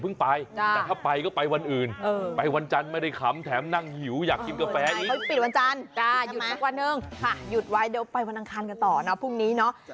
คิดสิคิดสิคิดสิคิดสิคิดสิคิดสิคิดสิ